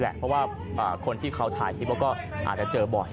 เพราะว่าคนที่เขาถ่ายคลิปแล้วก็อาจจะเจอบ่อย